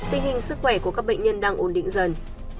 tình hình sức khỏe của các bệnh nhân đang ổn định dần